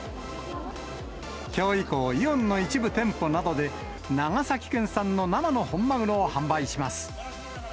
きょう以降、イオンの一部店舗などで長崎県産の生の本マグロを販売します。